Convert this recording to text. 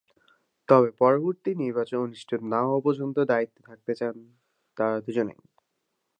তবে পরবর্তী নির্বাচন অনুষ্ঠিত না হওয়া পর্যন্ত দায়িত্বে থাকতে চান তারা দুজনই।